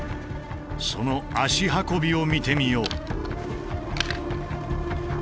その「足運び」を見てみよう。